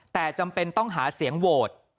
แต่จำเป็นต้องหาเสียงโหวต